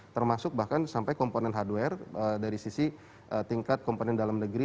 termasuk bahkan sampai komponen hardware dari sisi tingkat komponen dalam negeri